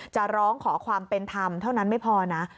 จะร้องขอความเป็นธรรมเท่านั้นไม่พอนะ